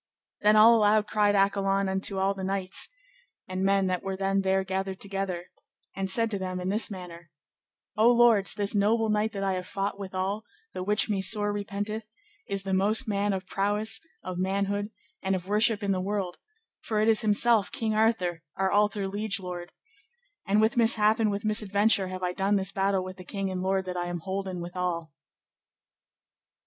Then all aloud cried Accolon unto all the knights and men that were then there gathered together, and said to them in this manner, O lords, this noble knight that I have fought withal, the which me sore repenteth, is the most man of prowess, of manhood, and of worship in the world, for it is himself King Arthur, our alther liege lord, and with mishap and with misadventure have I done this battle with the king and lord that I am holden withal.